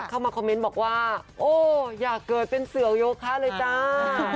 เข้ามาคอมเมนต์บอกว่าโอ้อยากเกิดเป็นเสือโยคะเลยจ้า